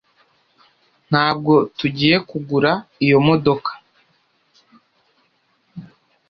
Ntabwo tugiye kugura iyo modoka